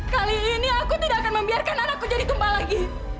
kali ini aku tidak akan membiarkan anakku jadi kembali lagi